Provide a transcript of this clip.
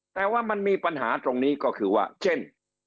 แต่ว่ามันมีปัญหาตรงนี้ก็คือว่าเช่น